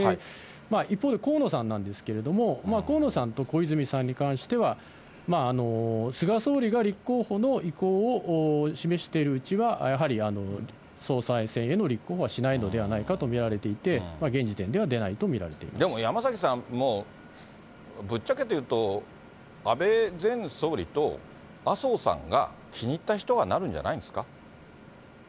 一方で河野さんなんですけれども、河野さんと小泉さんに関しては、菅総理が立候補の意向を示しているうちはやはり総裁選への立候補はしないのではないかと見られていて、現時点では出ないと見られでも山崎さん、ぶっちゃけて言うと、安倍前総理と麻生さんが気に入った人がなるんじゃないですか？